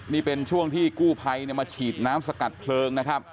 นี่เป็นช่วงที่กู้ภัยมาฉีดน้ำสกัดเพลิงนะครับ